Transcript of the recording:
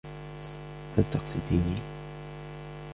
هل تقصديني؟